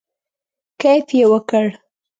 کیف یې وکړ.